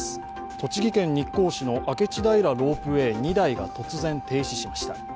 栃木県日光市の明智平ロープウェイ２台が突然停止しました。